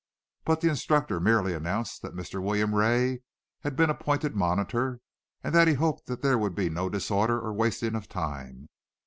But the instructor merely announced that Mr. William Ray had been appointed monitor and that he hoped that there would be no disorder or wasting of time.